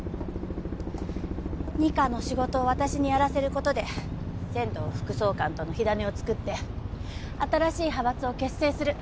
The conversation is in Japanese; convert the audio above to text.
二課の仕事を私にやらせる事で千堂副総監との火種を作って新しい派閥を結成する。